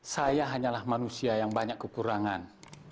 saya hanyalah manusia yang banyak kekurangan